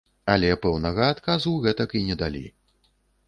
Але пэўнага адказу гэтак і не далі.